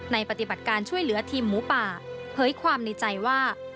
ปฏิบัติการช่วยเหลือทีมหมูป่าเผยความในใจว่า